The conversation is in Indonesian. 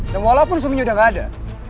dan walaupun suaminya udah gak ada